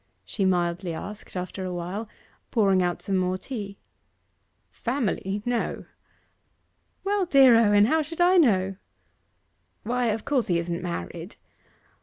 she mildly asked, after a while, pouring out some more tea. 'Family; no!' 'Well, dear Owen, how should I know?' 'Why, of course he isn't married.